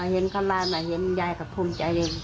เห็นเข้ามาเห็นยายก็ภูมิใจเลย